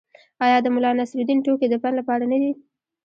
آیا د ملانصرالدین ټوکې د پند لپاره نه دي؟